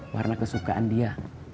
warna kesukaan dia